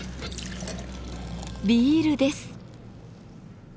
ビールです。